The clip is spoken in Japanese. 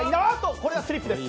これはスリップです。